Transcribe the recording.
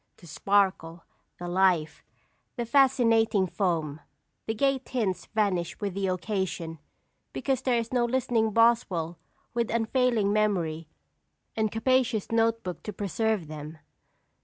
The sparkle, the life, the fascinating foam, the gay tints vanish with the occasion, because there is no listening Boswell with unfailing memory and capacious note book to preserve them.